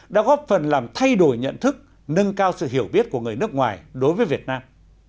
đã góp phần làm thay đổi nhận thức nâng cao sự hiểu biết của người nước ngoài đối với việt nam